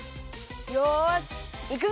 よしいくぞ！